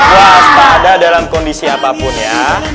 waspa ada dalam kondisi apapun ya